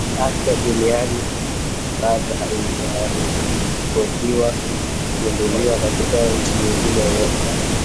Afya Duniani bado haijaripotiwa kugunduliwa katika nchi nyingine yoyote